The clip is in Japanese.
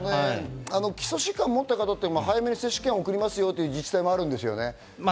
基礎疾患を持った方は接種券を早く送りますよという自治体もありますよね。